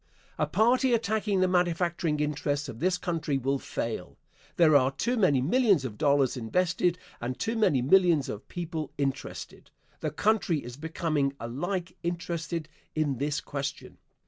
A party attacking the manufacturing interests of this country will fail. There are too many millions of dollars invested and too many millions of people interested. The country is becoming alike interested in this question.